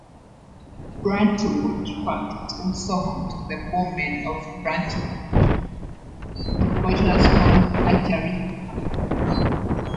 Bruntwood Park is also home to The Bowmen of Bruntwood, Stockport's only archery club.